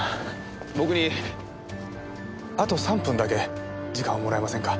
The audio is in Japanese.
僕にあと３分だけ時間をもらえませんか？